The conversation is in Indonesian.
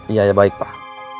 iya ya baik pak